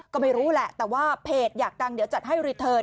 ก็ไม่รู้แหละแต่ว่าเพจอยากดังเดี๋ยวจัดให้รีเทิร์น